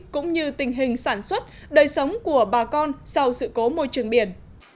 cũng như tình hình sản xuất đời sống của bà con sau sự cố môi trường biển